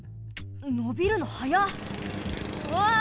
のびるのはやっ！